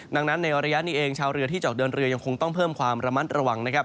ดังนั้นในระยะนี้เองชาวเรือที่จะออกเดินเรือยังคงต้องเพิ่มความระมัดระวังนะครับ